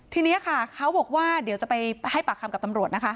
ทีนี้ค่ะเขาบอกว่าเดี๋ยวจะไปให้ปากคำกับตำรวจนะคะ